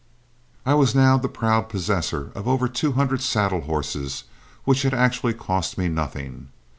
I was now the proud possessor of over two hundred saddle horses which had actually cost me nothing.